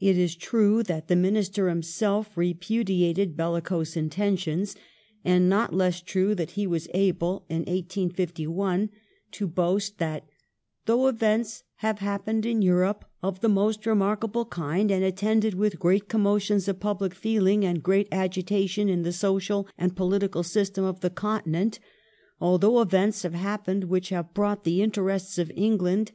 It is true that the Minister himself repudiated bellicose intentions, and not less true that he was able, in 1851, to boast that *' though events have happened in Europe of the most remark able kind and attended with great commotions of public feeling, and gi'eat agitation in the social and political system of the Continent — although events have happened which have brought the interests of England